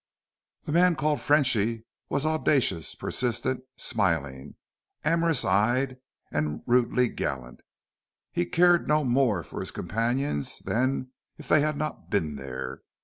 The man called Frenchy, was audacious, persistent, smiling, amorous eyed, and rudely gallant. He cared no more for his companions than if they had not been there.